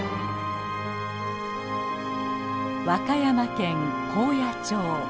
和歌山県高野町。